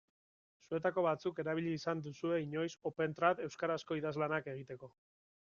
Zuetako batzuk erabili izan duzue inoiz Opentrad euskarazko idazlanak egiteko.